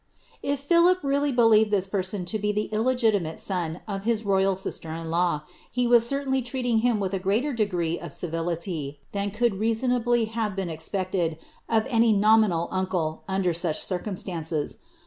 If Philip really believed this person to be the illegitimate son of his TOjtl sister in law, he was certainly treating him with a greater degree of civility than could reasonably have been expected of any nominal BDcle, under such circumstances.